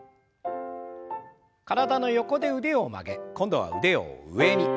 体の横で腕を曲げ今度は腕を上に。